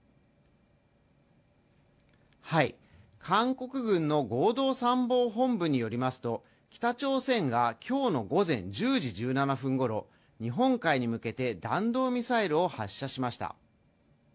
韓国軍の合同参謀本部によりますと北朝鮮が今日の午前１０時１７分ごろ日本海に向けて弾道ミサイルを発射しました